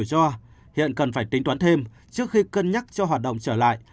do đó hiện cần phải tính toán thêm trước khi cân nhắc cho hoạt động trở lại